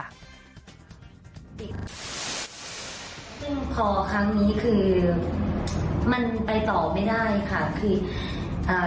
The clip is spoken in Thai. ซึ่งพอครั้งนี้คือมันไปต่อไม่ได้ค่ะคืออ่า